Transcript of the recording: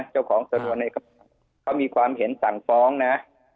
เจ้าของสำนวนเขามีความเห็นสั่งฟ้องนะ